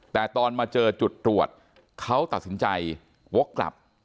แต่ตอนมาเจอจุดตรวจเขาตัดสินใจวกกลับ